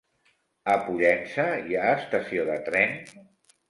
A Pollença hi ha estació de tren?